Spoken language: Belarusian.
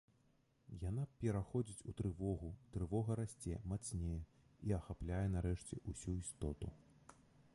Яна пераходзіць у трывогу, трывога расце, мацнее і ахапляе нарэшце ўсю істоту.